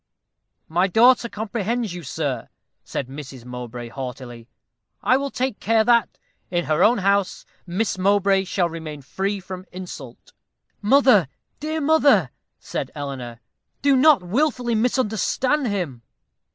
"My daughter comprehends you, sir," said Mrs. Mowbray, haughtily. "I will take care that, in her own house, Miss Mowbray shall remain free from insult." "Mother, dear mother," said Eleanor, "do not wilfully misunderstand him."